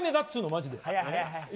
マジで。